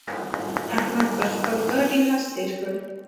احمد پر خپل ګاډي لاس تېر کړ.